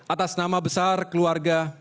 atas nama besar keluarga